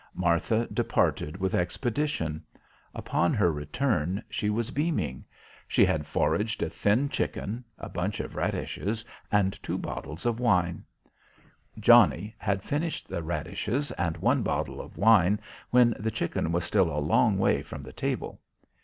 Martha departed with expedition. Upon her return, she was beaming. She had foraged a thin chicken, a bunch of radishes and two bottles of wine. Johnnie had finished the radishes and one bottle of wine when the chicken was still a long way from the table.